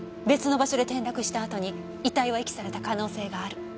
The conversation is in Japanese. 別の場所で転落したあとに遺体は遺棄された可能性がある。